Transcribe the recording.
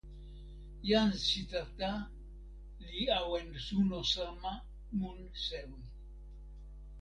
jan Sitata li awen suno sama mun sewi.